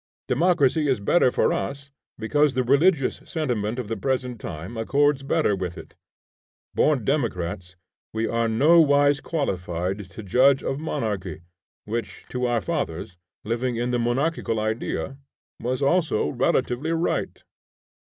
Democracy is better for us, because the religious sentiment of the present time accords better with it. Born democrats, we are nowise qualified to judge of monarchy, which, to our fathers living in the monarchical idea, was also relatively right.